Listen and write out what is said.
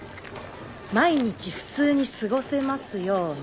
「毎日普通に過ごせますように」。